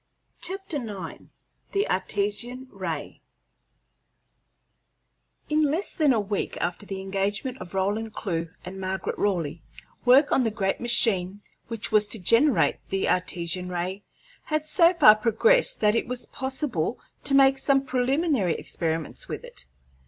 CHAPTER IX. THE ARTESIAN RAY In less than a week after the engagement of Roland Clewe and Margaret Raleigh work on the great machine which was to generate the Artesian ray had so far progressed that it was possible to make some preliminary experiments with it.